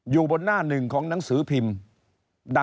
อยู่บนหน้าหนึ่งของหนังสือพิมพ์